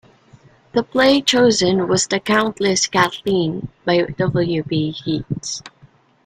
The play chosen was "The Countess Cathleen" by W. B. Yeats.